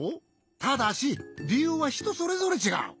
ただしりゆうはひとそれぞれちがう。